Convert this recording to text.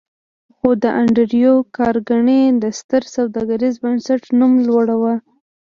خو د انډريو کارنګي د ستر سوداګريز بنسټ نوم لوړ و.